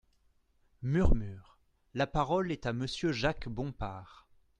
(Murmures.) La parole est à Monsieur Jacques Bompard.